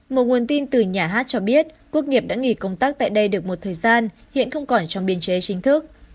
một nguồn tin từ nhà hát cho biết quốc nghiệp đã nghỉ công tác tại đây được một thời gian hiện không còn trong biên chế chính thức